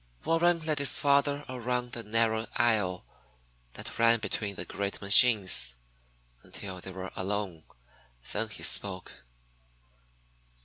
Warren led his father around the narrow aisle that ran between the great machines, until they were alone. Then he spoke.